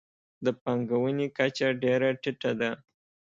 د پانګونې کچه ډېره ټیټه ده.